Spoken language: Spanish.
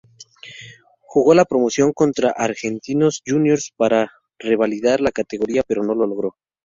Jugó la Promoción contra Argentinos Juniors para revalidar la categoría pero no lo logró.